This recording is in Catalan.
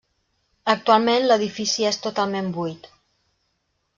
Actualment l'edifici és totalment buit.